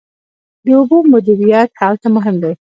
د اوبو مدیریت هلته مهم دی.